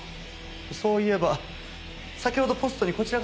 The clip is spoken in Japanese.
そういえば先ほどポストにこちらが入っておりました。